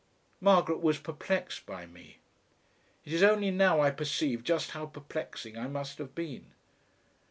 Margaret was perplexed by me. It is only now I perceive just how perplexing I must have been.